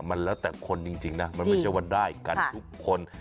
มันแล้วแต่คนจริงนะมันไม่ใช่ว่าได้กันทุกคน